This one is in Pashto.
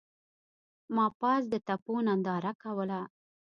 ما پاس د تپو ننداره کوله.